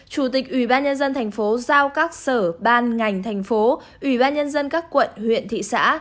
chủ tịch ủy ban nhân dân thành phố giao các sở ban ngành thành phố ủy ban nhân dân các quận huyện thị xã